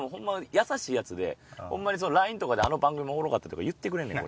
ホンマにＬＩＮＥとかで「あの番組おもろかった」とか言ってくれんねん。